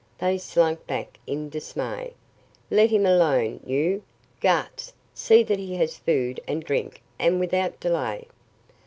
They slunk back in dismay. "Let him alone! You, Gartz, see that he has food and drink, and without delay.